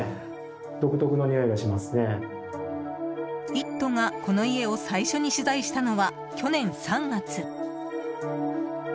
「イット！」が、この家を最初に取材したのは去年３月。